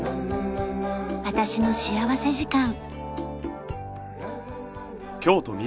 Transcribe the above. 『私の幸福時間』。